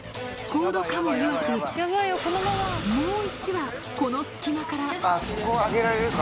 コード・カモいわく、もう１羽、この隙間から。